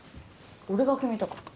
俺が決めたから。